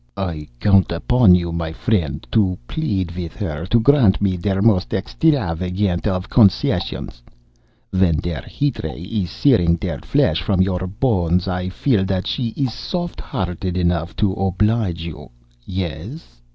I count upon you, my friend, to plead with her to grant me der most extrafagant of concessions, when der heat ray is searing der flesh from your bones. I feel that she is soft hearted enough to oblige you. Yes?"